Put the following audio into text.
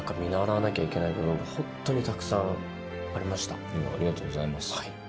ありがとうございます。